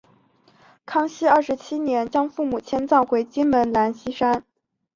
康熙二十七年将父母迁葬回金门兰厝山。